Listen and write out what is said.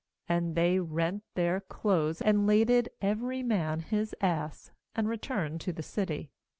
^Then they rent their clothes, and laded every man his ass, and re turned to the city.